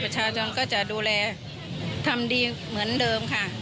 ประชาชนก็จะดูแลทำดีเหมือนเดิมค่ะ